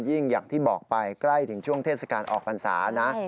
อย่างที่บอกไปใกล้ถึงช่วงเทศกาลออกพรรษานะ